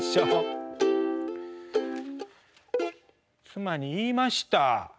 妻に言いました。